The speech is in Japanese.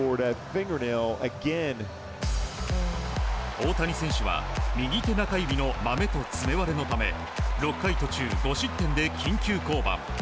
大谷選手は右手中指のマメと爪割れのため６回途中５失点で緊急降板。